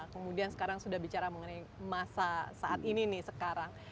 kemudian sekarang sudah bicara mengenai masa saat ini nih sekarang